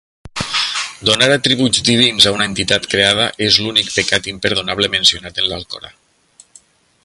Donar atributs divins a una entitat creada és l'únic pecat imperdonable mencionat en l'Alcorà.